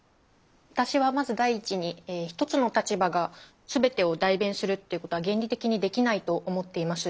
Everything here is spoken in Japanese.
私はまず第一に一つの立場が全てを代弁するっていうことは原理的にできないと思っています。